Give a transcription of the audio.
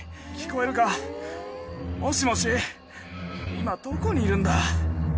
今どこにいるんだ？